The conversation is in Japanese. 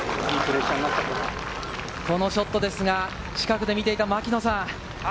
このショットですが、近くで見ていた、牧野さん。